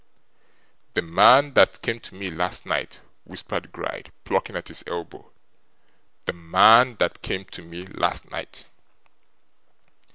'The man that came to me last night,' whispered Gride, plucking at his elbow. 'The man that came to me last night!